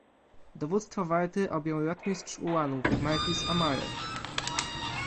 "Dowództwo warty objął rotmistrz ułanów, markiz Amary."